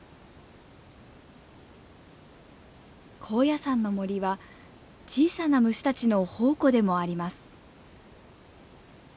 高野山の森は小さな虫たちの宝庫でもあります。